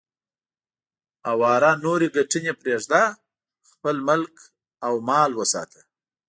اواره نورې ګټنې پرېږده، خپل ملک او مال وساته.